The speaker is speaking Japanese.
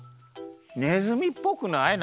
ネズミっぽくない？